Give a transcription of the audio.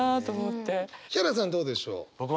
ヒャダさんどうでしょう？